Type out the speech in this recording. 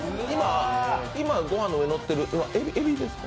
今、ご飯の上に乗ってるのはえびですか？